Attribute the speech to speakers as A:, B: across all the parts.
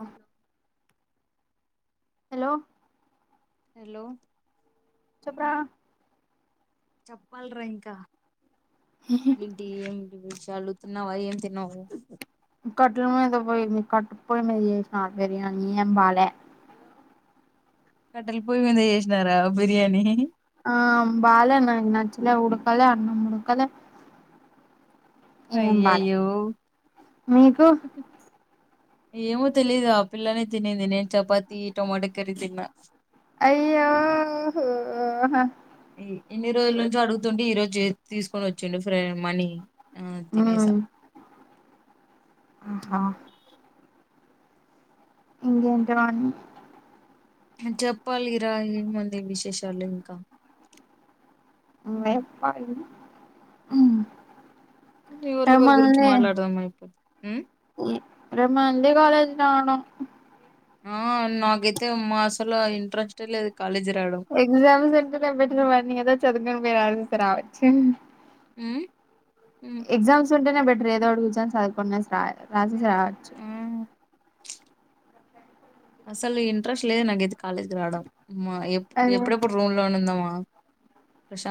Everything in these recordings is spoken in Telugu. A: ఇచ్చినవ్
B: హలో
A: హలో
B: చెప్పురా
A: చెప్పాల రా ఇంకా ఏంటి ఏమింటిది చాలు తిన్నావా ఏం తిన్నావ్
B: కట్ల పోయి కట్టు పోయిమీద చేసిన బిర్యానీ ఎం బాలే
A: కట్టెల పొయ్యి మీద చేసినారా బిర్యానీ
B: ఆ బాలే నాకు నచ్చలే ఉడుకలే అన్నం కద ఏం బాలే
A: అయ్యయ్యో
B: మీకు
A: ఏమో తెలిదు ఆపిల్లనే తినింది నేను చపాతి టమోటో కర్రీ తిన్నా
B: అయ్యో హోహ
A: ఇన్ని రోజుల నుంచో అడుగుతుంటే ఈ రోజు తీసుకొని వచ్చిండు ఫ్ర మనీ ఆ
B: ఉ
A: తినేసా
B: హహా
A: ఉమ్.
B: ఇకేంటోని
A: చెప్పాలి రా ఏ ముంది విశేషాలు ఇంక
B: [inaudible] [unintelligible] రేపు
A: ఎవరొకరి గురించి మాట్లాడదాం అయిపోది
B: మళ్ళీ కాలేజ్ రాను
A: ఆ నాకేతే అమ్మా అసలు ఇంట్రెస్ట్ ఏ లేదు కాలేజీ రావడం
B: ఎగ్జామ్స్ సెంటర్ బెటర్ మరి ఏదో చదువుకని పోయ్ [unintelligible] రావచ్చు
A: ఉమ్? ఉమ్.
B: ఎగ్జామ్స్ ఉంటేనే బెటర్ ఏదో ఒకటి కూర్చని చదువుకొని రాసాయితే [unintelligible] [unintelligible]
A: ఆ అసలు ఇంట్రెస్ట్ లేదు నాకైతే కాలేజ్ కి రావడం
B: అదే
A: ఎప్పుడెప్పుడు రూమ్ లోనే ఉందమ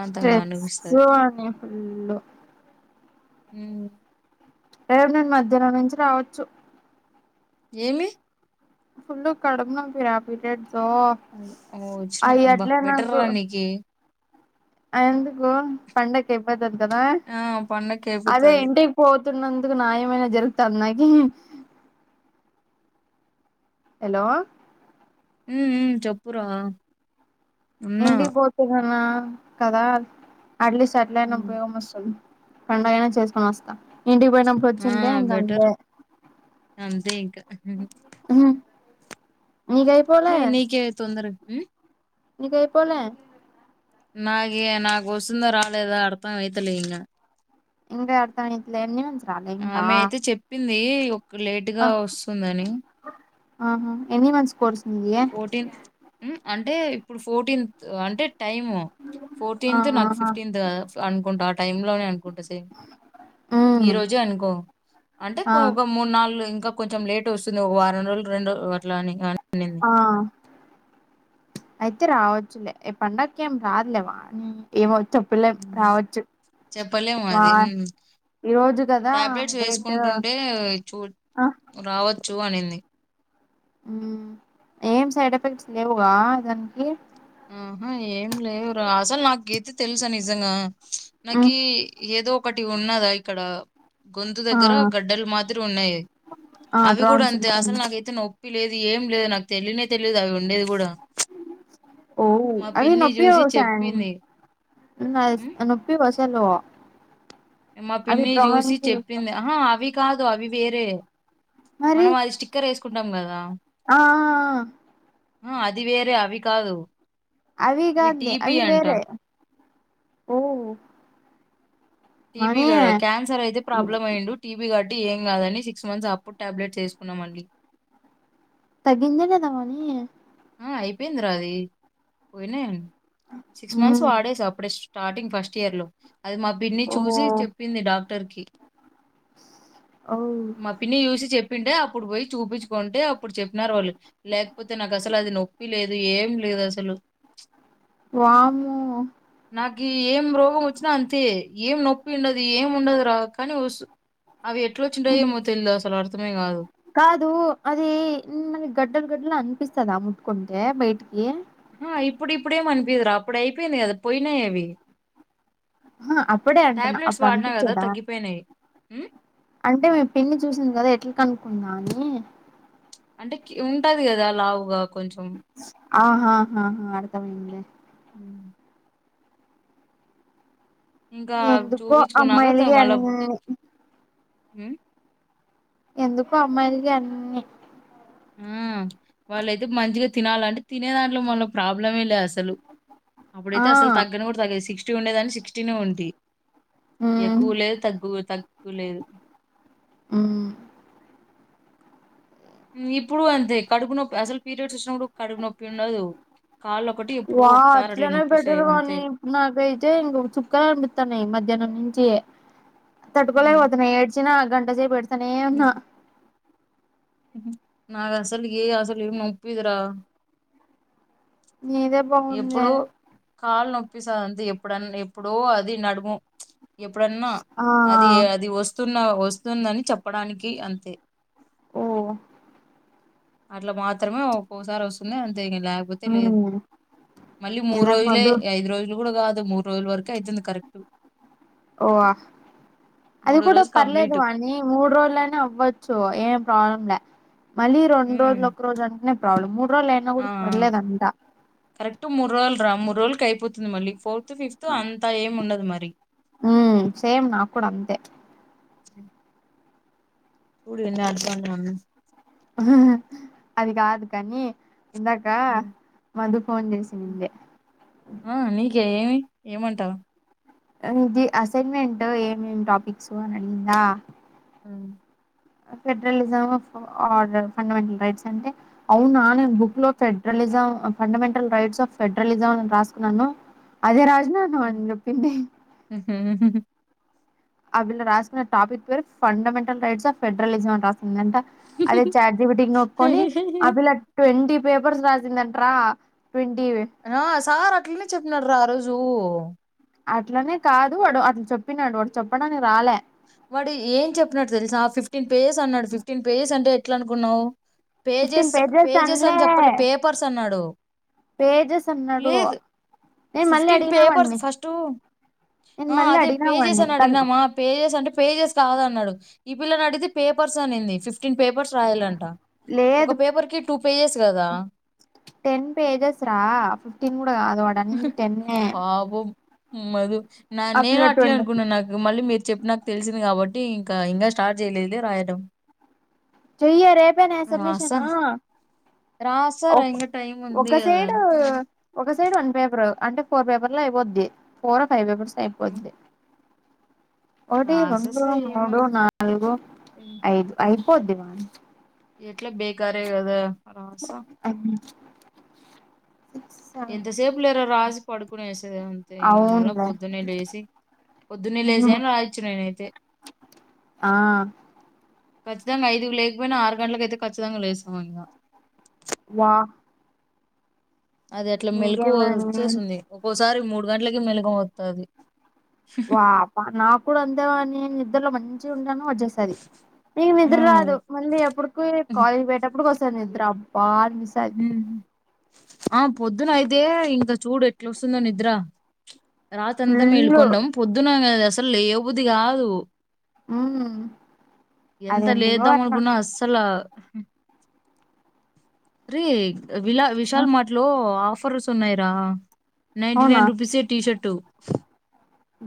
B: స్ట్రెసు అని ఫుల్
A: హు
B: రేపు నేను మధ్యానం నుంచి రావచ్చు
A: ఏమి
B: ఫుల్ కడుపు నొప్పి రా పిరియడ్స్
A: అయ్, ఓ వచ్చిన
B: అవి
A: అబ్బా
B: అట్లే
A: బెటర్
B: నాకు
A: రా నీకి
B: ఎందుకో పండక్కి [inaudible] కదా
A: ఆ పండక్కి
B: అదే
A: అయిపోతది
B: ఇంటికి పోతున్నందుకు న్యాయమైన జరుగు [unintelligible] హలో
A: ఊ ఊ చెప్పురా ఉన్నా
B: ఇంటికి పోతుగన కదా అట్లీస్ట్ అట్లైనా
A: ఉమ్
B: ఉపయోగం వస్తది పండగైనా చేసుకొని వస్తా ఇంటికి పోయినపుడు
A: ఆ
B: వచ్చివుంటే ఇంకా
A: బెటర్
B: అంతే
A: అంతే ఇంకా
B: ఊ
A: హె నీకే తొందర ఉ
B: నీకైపోలే
A: నాగే నాకు వస్తుంద రాలేదా అర్ధం అయితలే ఇగ
B: ఇంకా అర్ధమైతలే ఎన్ న్యూన్స్ రాలె ఇంకా
A: ఏంది ఒక లేటుగా వస్తుందని
B: ఆహ ఎన్ని మంత్స్ కోర్స్ నీది
A: ఫోర్టీన్త్ ఉ అంటే ఇప్పుడు ఫోర్టీన్త్ అంటే టైము
B: ఆ
A: ఫోర్టీన్త్ నాకు
B: ఆహా
A: ఫిఫ్టీన్త్ కదా అనుకుంటా ఆ టైమ్ లో నేన్ గుంట సే ఈ
B: హ్మ్
A: రోజు అనుకో అంటే
B: ఆ
A: ఒక మూడు నాలుగు ఇం ఇంకా కొంచెం లేట్ వస్తుంది ఒక వారం రోజులు రెండు అట్ల అని అనింది
B: ఆ అయితే రావచ్చులే ఏ పండక్ ఇకేం రాదు లేమ్మా ఊ ఏమో చెప్పులేం
A: హ్మ్.
B: రావచ్చు
A: చెప్పలేము
B: వా
A: అది ఊ
B: ఈ రోజు కదా
A: టాబ్లెట్స్
B: డేట్
A: వేసుకుంటుంటే చూడ్
B: ఆ
A: రావద్ చూ అనింది
B: ఊ ఏం సైడ్ ఎఫెక్ట్స్ లేవుగా దానికి
A: ఆహా ఏం ఉ లేవు రా అసలు నాకుకయిత తెలుసా నిజంగా
B: హ్మ్
A: నాకి ఏదో ఒకటి ఉన్నదా ఇక్కడ గొంతు
B: ఆ
A: దగ్గర గడ్డలు మాదిరి ఉన్నాయి
B: ఆ
A: అవి కూడా అంతే
B: ట్రాన్సిల్స్ అని
A: అసలు నాకైతే నొ నొప్పి లేదు ఏం లేదు నాకు తెలియనే తెలియదు అవి ఉండేది కూడా
B: ఓ
A: మా
B: అవి
A: పిన్ని
B: నొప్పి
A: చూసి
B: వసాయ్ అండ్
A: చెప్పింది
B: నాక్ తెల్స్
A: ఉమ్,
B: నొప్పి వస్ తెల్వ
A: మా పిన్ని చూసి చెప్పింది ఆహా అవి కాదు అవి వేరే మనం అది స్టిక్కర్ వేసుకుంటాం కదా
B: ఆహా
A: ఆ అది వేరే అవి కాదు ఇవి
B: అవిగాదు లే
A: టీబీ
B: అవి
A: అంట
B: వేరే ఓ
A: టీబీ
B: మనీ
A: గడ్డ క్యాన్సర్ అయితే ప్రాబ్లమ్ అయ్యుండు టీబీ గడ్ ఏం కాదని సిక్స్ మంత్స్ అప్పుడు టాబ్లెట్స్ వేసుకున్నమండీ
B: తగ్గింద లేదా మరి
A: ఆ అయిపోయింది రా అది పోయినయన్ సిక్స్ మంత్స్ వాడేస అప్పుడే స్టార్టింగ్ ఫస్ట్ ఇయర్ లో అది మా పిన్ని
B: ఓ
A: చూసి చెప్పింది డాక్టర్ కి
B: ఓ
A: మా పిన్ని చూసి చెప్ చెప్పింటే అప్పుడు పోయి చూపించుకుంటే అప్పుడు చెప్పినారు వాళ్ళు లేకపోతే నాకు అసలు అది నొప్పి లేదు ఏం లేదు అసలు ప్చ్
B: వామ్మో
A: నాకి ఏం రోగం వచ్చినా అంతే ఏం నొప్పి ఉండదు ఏం ఉండదు రా కానీ వసు అవి ఎట్లా వచ్చుంటాయో ఏమో తెలిదు అసలు అర్థమే కాదు
B: కాదు అది మన గడ్డలు గడ్డలు అనిపిస్తదా ముట్కుంటే బయటికి
A: ఆహా ఇప్పుడు ఇప్పుడేమ అనిపియ్యదురా అప్పుడు అయిపోయింది కదా పోయినాయి అవి
B: అహ అప్పుడే అంటున్నా
A: టాబ్లెట్స్
B: అప్పుడు
A: వాడినా కదా
B: అనిపించేదా
A: తగ్గిపోయినాయి ఉమ్,
B: అంటే మీ పిన్ని చూసింది కదా ఎట్లా కనుకుందా అని
A: అంటే ఉంటది కదా లావుగా కొంచెం
B: ఆహాహాహా అర్థమయింది లే
A: ఉమ్. ఇంకా
B: ఎందుకో
A: చూపించుకున్నా త
B: అమ్మాయిలకి
A: మళ్ళా
B: అన్ని
A: ఉమ్
B: ఎందుకో అమ్మాయిలకి అన్నీ
A: ఆ వాళ్ళయితే మంచిగా తినాలంటే తినే దాంట్లో మళ్ళ ప్రాబ్లమే లే అసలు అప్పుడైతే
B: ఆ
A: అసలు తగ్గని కూడా తగ్లేదు సిక్స్టీ ఉండేదాని సిక్స్టీనే ఉంటి
B: ఉమ్
A: ఎక్కువ లేదు తగ్గు తక్కువ లేదు
B: ఉమ్
A: ఇప్పుడు అంతే కడుపు నొప్పి అసలు పీరియడ్స్ వచ్చిన కూడా కడుపు నొప్పి ఉండదు కాళ్ళొకటి ఎప్పుడో
B: వా
A: ఒకసారి అట్లా
B: అట్లనే
A: నొప్పిస్తాయి
B: బెటరు
A: అంతే.
B: వాణి నాకైతే ఇంక చుక్కలు కనిపితాన్నాయి మధ్యాహ్నం నుంచి
A: హ్మ్.
B: తట్టుకోలేకపోతున్నా ఏడ్చినా గంటసేపు సనే ఉన్నా
A: నాకు అసలు ఏ అసలు నొప్పిదురా
B: నీదే బాగుందె
A: ఎప్పుడో కాళ్ళు నొప్పిస్తాది అంతే ఎప్పుడన్న ఎప్పుడో అది నడుము ఎప్పుడన్నా
B: ఆ
A: అది అది వస్తున్న వస్తుందని చెప్పడానికి అంతే
B: ఓ
A: అట్లా మాత్రమే ఒక్కొసారి వస్తుంది అంతే ఇంగ లేకపోతే లేదు
B: ఉమ్
A: మళ్ళీ మూడు
B: ఇందాక
A: రోజులే
B: మద్దు
A: ఐదు రోజులు కూడా కాదు మూడు రోజుల వరకే అయితుంది కరెక్ట్
B: ఓ వా అది
A: మూడో
B: కూడా
A: రోజు
B: పర్లేదు
A: కంప్లీట్
B: వాణి మూడు రోజులనే అవ్వచ్చు ఏం ప్రాబ్లం ల్య మళ్లీ రెండు రోజులు ఒక్క రోజు అంటనే ప్రాబ్లము ము
A: అ అ కరెక్ట్ మూడు రోజులు రా ము రోల్ కి అయిపోతుంది మళ్ళీ ఫోర్త్ ఫిఫ్త్ అంతా ఏం ఉండదు మరి
B: ఉ మ్ సేమ్ నా కూడా అంతే
A: మ్ చూడి ఎన్ని అధ్వానం
B: అది కాదు కానీ ఇందాకా
A: ఉమ్,
B: మధు ఫోన్
A: ఉమ్.
B: చేసినింది
A: ఏమంటా
B: ఇది అసైన్మెంట్ ఏమేం టాపిక్స్ అని అడిగిందా
A: ఉమ్
B: federalism of order fundamental rights అంటే అవునా నేను బుక్ లో federalism fundamental rights of federalism అని రాసుకున్నాను అదే రాస్ అను హా డెప్పింటె ఆ పిల్ల రాసుకున్న టాపిక్ పేరు ఫండమెంటల్ రైట్స్ ఆఫ్ ఫెడ్రలిజం అని రా సిందట అదే చాట్ జీ పీ టి కి నొక్కొని అ పిల్ల ట్వంటీ పేపర్స్ రాసిందంట్రా
A: ఆ సార్ అట్లనే చెప్పినడు ఆ రోజు
B: అట్లనే కాదు వాడు అట్లా చెప్పినాడు వాడు చెప్పడానికి రాలే
A: వాడు ఏం చెప్పినడు తెలుసా ఫిఫ్టీన్ పేజెస్ అన్నాడు ఫిఫ్టీన్ పేజెస్ అంటే ఎట్ల అనుకున్నావ్ పేజెస్ పేజెస్ అని చెప్పాలె పేపర్స్ అన్నాడు
B: పేజస్ అన్నడు
A: ఫిప్టీన్ పెపర్స్ ఫస్టు
B: నేను
A: ఆ
B: మళ్ళీ
A: అదే
B: అడిగినా
A: పేజెస్
B: వాడిని
A: అని
B: కానీ
A: అడిగినమా పె అంటే పేజెస్ అంటె పెజెస్ కాదన్నాడు ఈ పిల్లనడిగితే పేపర్స్ అనింది ఫిఫ్ ఫిఫ్టీన్ పేపర్స్ రాయాలంట
B: లేదు
A: ఒక పేపర్ కి టూ పేజెస్ కదా
B: టెన్ పేజస్ రా ఫిఫ్టీన్ కూడా కాదు వాడు అనింది టెన్నె
A: పాపం మధు నా
B: ఆ
A: నేను
B: పిల్ల
A: అట్లే
B: ట్వంటీ
A: అనుకున్నా నాకు మళ్ళీ మీరు చెప్పినాకా తెలిసింది కాబట్టి ఇంక ఇంగా స్టార్ట్ చేయలేదు లే రాయడం
B: చెయ్యే రేపేనే సబ్మిషన్
A: రాసా రాసారా
B: ఒక
A: ఇంకా టైం ఉంది
B: ఒక
A: కదా
B: సైడ్ ఒక సైడ్ వన్ పేపరు అంటే ఫోర్ పేపర్ లో అయిపోద్ది ఫోరో ఫైవ్ పేపర్స్ అయిపోద్ది ఒకటి రెండు
A: రాసేసా
B: మూడు
A: ఏమని
B: నాలుగు ఐదు అయిపోద్ది మా
A: ఎట్లా బేకారే కదా రాసా ఎంతసేపు లేర రాసి పడుకునేసె అంతే ఇగ మళ్ళ
B: అవునులే
A: పొద్దున్నెలేసి పొద్దున్న లేసి అయిన రాయచ్చు నే
B: ఆ
A: ఖచ్చితంగా ఐదు లేకపోయినా ఆరు గంటలకైతే ఖచ్చితంగా లేసేమో ఇంగ
B: వా
A: అది అట్లా మెలుకు
B: నీకేమని
A: వచ్చేసుంది ఒక్కోసారి మూడు గంటలకి మెలుకువత్తది
B: వానా కూడా అంతే వాని నిద్దరలో మంచిగగుంటానూ న్ వచ్చేస్తది అయి నిద్దర్ రాదు మళ్ళీ ఎప్పటికో కాలేజ్ పోయటప్పుటికి వస్తది నిద్ర బా అనిపిస్తద్
A: ఆ పొద్దున అయితే ఇంకా చూడు ఎట్లోస్తుందో నిద్ర రాత్రి అంతా
B: ఫుల్లు
A: మేలుకొంన్డం పొద్దున గా అసలు లేయబుద్ది కాదు
B: మ్మ్
A: ఎంత
B: అదెందుకో అట్లా
A: లేదామనుకున్నా అస్సల రే విలా విశల్ మార్ట్ లో ఆ ఫర్స్ ఉన్నాయిరా నైంటి
B: అవునా
A: నైన్ రూపీసె టీషట్టు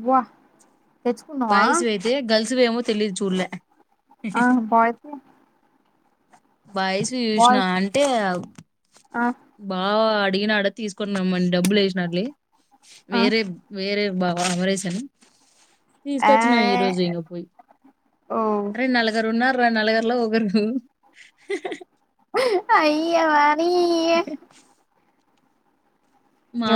B: వాహ్
A: బయ్స్ వైయితే గెర్ల్స్ వేమో తెలీదు చూడ్లే
B: ఆ బాయ్స్ వి
A: బాయిస్ వీ చూసినా అంటే
B: ఆ
A: బావా అడిగినాడ్ తీసుకోని రమ్మని డబ్బులు ఏసినాడ్లే
B: ఆ
A: వేరే వేరే బావా అమరేసన్
B: ఆ
A: తీసుకొచ్చినా ఈ రోజు ఇగ పోయి
B: ఓ
A: అరే నలుగరున్నా నలగర్లో ఒకరు
B: అయ్యా వ
A: హే హ్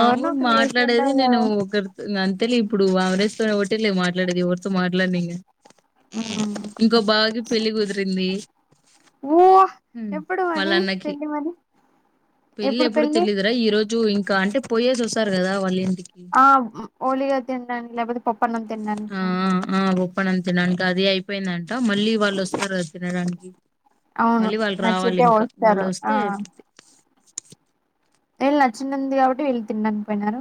B: ఎవరినో ఒకరిని చేసుకుంటావు
A: నేను
B: కదా
A: ఒకర్ అంతలే ఇప్పుడు అవినాష్ తో ఒకటెలే మాట్లాడేది ఎవరితో మాట్లాడినింగా
B: మ్మ్
A: ఇంకో బావకి పెళ్లికుదిరింది
B: ఊహ్ ఎప్పుడు వాని పెళ్లి మరి ఎప్పుడు
A: పెళ్లిఎప్పుడు
B: పెళ్లి
A: తెలీయదురా ఈ రోజు ఇంకా అంటే పోయేసి ఓస్తారు కదా వాళ్ళిం
B: ఆ ఓలిగా తింటానికి లేపోతే పప్పనం తిడానుకో
A: ప్పనం తినడానికి అది అయిపోయిందంట మళ్ళీ వాళ్ళు ఓస్తారు కద తినడానికి
B: అవును
A: మళ్ళీ వాళ్ళు రావాలి
B: నచ్చితే
A: ఇంకా వాళ్ళు
B: వస్తారు ఆ
A: ఓస్తే
B: వీళ్ళు నచ్చిందంది కాబట్టి వీళ్ళు తినడానికి పోయినారు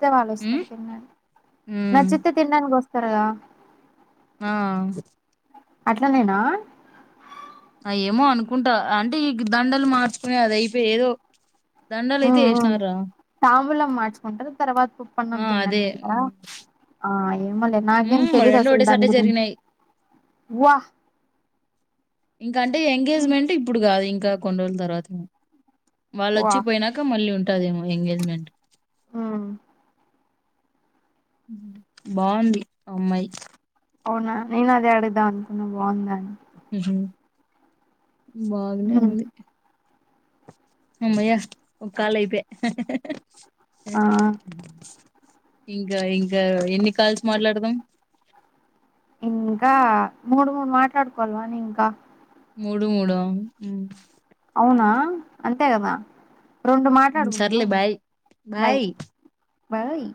B: తే వాళ్ళు
A: ఉమ్
B: వస్తారు తినడానికి
A: ఉమ్
B: నచ్చితే తినడానికి వస్తారుగా
A: ఆ
B: అట్లానేనా
A: అ ఏమో అనుకుంటా అంటే ఈ దండలు మార్చుకునే అది అయిపోయి ఏదో దండలయితే ఏసినార్రా
B: మార్చుకుంటరు తర్వాత పప్పన్నం
A: అదే
B: తినడానికెల్తారా ఏమో లే నాకేమ్
A: ఉమ్
B: తెలిదు
A: రెండు
B: అసలు దాని
A: ఒకటేసాటే
B: గురించి
A: జరిగినాయి
B: వాహ్
A: ఇంక అంటే ఎంగేజ్మెంట్ ఇప్పుడు కాదు ఇంకా కొన్ని రోజుల్ తర్వాత వాళ్ళు
B: వా
A: ఓచ్చి పోయినాక మళ్ళీ ఉంటాదేమో ఎంగేజ్మెంట్
B: హ్మ్
A: బావుంది అమ్మాయ్
B: అవునా నేన్ అదే అడుగుదాం అనుకున్న బాగుందా అని
A: ఉహు బాగనే
B: ఉమ్
A: ఉంది హమయ్యా ఒక కాల్ అయిపే
B: ఆ
A: ఇంకా ఇంకా ఎన్ని కాల్స్ మాట్లాడదాం.
B: ఇంకా మూడు మూడు మాట్లాడుకోవాలవాని ఇంకా
A: మూడు మూడు ఆ
B: అవునా అంతే కదా రెండు
A: సర్లే
B: మాట్లాడుకున్నాం
A: బాయ్
B: బాయ్ బాయ్